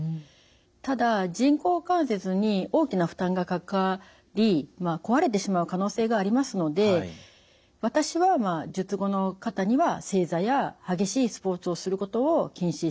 ただ人工関節に大きな負担がかかり壊れてしまう可能性がありますので私は術後の方には正座や激しいスポーツをすることを禁止しています。